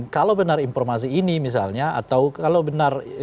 atau kalo benar informasi ini misalnya atau kalo benar informasi ini misalnya